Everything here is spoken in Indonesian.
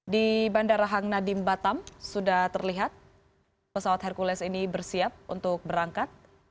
di bandara hang nadiem batam sudah terlihat pesawat hercules ini bersiap untuk berangkat